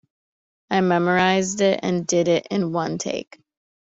I memorized it and did it in one take.